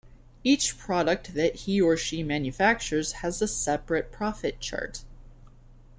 Each product that he or she manufactures has a separate profit chart.